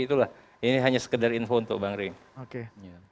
itulah ini hanya sekedar info untuk bang ring